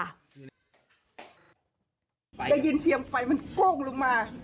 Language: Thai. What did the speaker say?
ได้ยินเสียงไฟมันโป้งลงมา